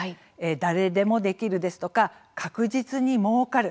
誰でもできるですとか確実にもうかる